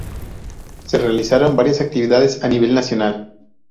Se realizaron varias actividades a nivel nacional.